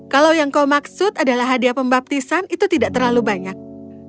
kalau yang kau maksud adalah hadiah pembaptisan itu bukan hal yang bisa diperlukan